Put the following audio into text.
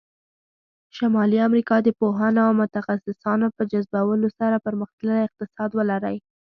شمالي امریکا د پوهانو او متخصصانو په جذبولو سره پرمختللی اقتصاد ولری.